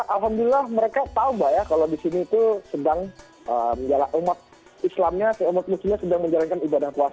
alhamdulillah mereka tahu mbak ya kalau di sini itu sedang umat islamnya dan umat muslimnya